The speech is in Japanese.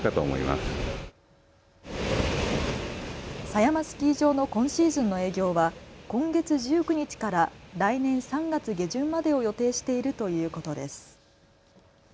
狭山スキー場の今シーズンの営業は今月１９日から来年３月下旬までを予定しているということです。